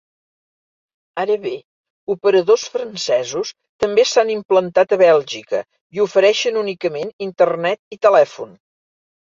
Ara bé, operadors francesos també s'han implantat a Bèlgica i ofereixen únicament internet i telèfon.